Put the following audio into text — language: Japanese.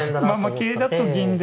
桂だと銀で。